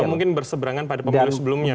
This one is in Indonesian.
atau mungkin berseberangan pada pemilu sebelumnya